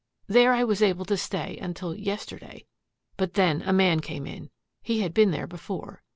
There I was able to stay until yesterday. But then a man came in. He had been there before.